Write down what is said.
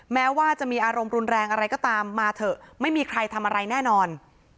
แม้ว่าจะมีอารมณ์รุนแรงอะไรก็ตามมาเถอะไม่มีใครทำอะไรแน่นอน